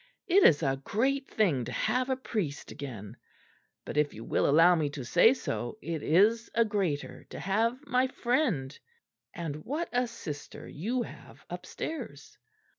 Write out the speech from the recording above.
It is a great thing to have a priest again; but, if you will allow me to say so, it is a greater to have my friend and what a sister you have upstairs!"